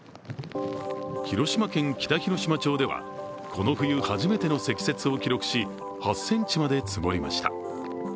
広島県北広島町ではこの冬初めての積雪を記録し、８ｃｍまで積もりました。